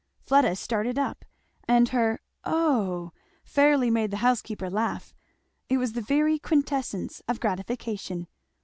Fleda started up, and her "Oh!" fairly made the housekeeper laugh; it was the very quintessence of gratification.